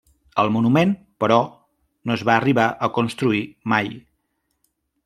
El monument, però, no es va arribar a construir mai.